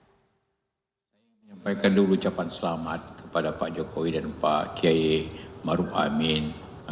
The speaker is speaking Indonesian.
saya menyampaikan dulu ucapan selamat kepada pak jokowi dan pak kiai maruf amin